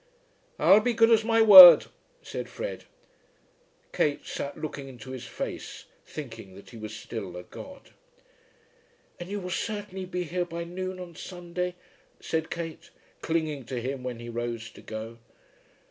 "I'll be as good as my word," said Fred. Kate sat looking into his face thinking that he was still a god. "And you will certainly be here by noon on Sunday?" said Kate, clinging to him when he rose to go.